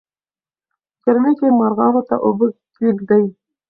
په ګرمۍ کې مارغانو ته اوبه کېږدئ.